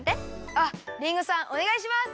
あっリンゴさんおねがいします！